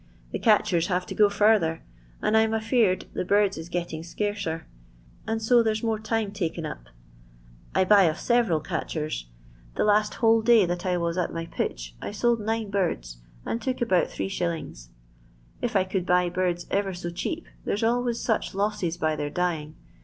The catchers haye to go further, 'm afeared the birds is getting scarcer, and n 's more time taken up. I buy of seTeral rs. Tha last whole day that I was at my I sold nine birds, and took about 8#. If I buy birds erer so cheap, there's always oases by their dying.